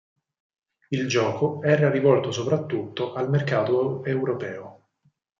Il gioco era rivolto soprattutto al mercato europeo.